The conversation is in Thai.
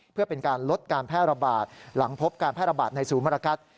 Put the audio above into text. เพื่อเป็นการลดการแพร่ระบาดหลังพบการแพร่ระบาดในศูนย์มรกัด